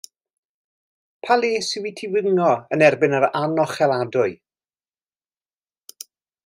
Pa les yw i ti wingo yn erbyn yr anocheladwy?